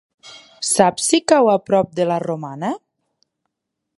Saps si cau a prop de la Romana?